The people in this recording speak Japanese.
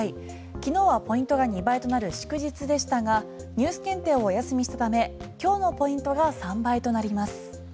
昨日はポイントが２倍となる祝日でしたがＮＥＷＳ検定をお休みしたため今日のポイントは３倍となります。